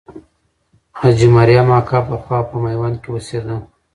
حاجي مریم اکا پخوا په میوند کې اوسېده.